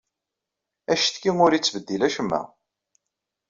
Accetki ur yettbeddil acemma.